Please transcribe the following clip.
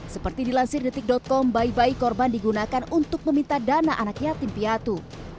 seperti dilansir detik com bayi bayi korban digunakan untuk meminta dana anak yatim piatu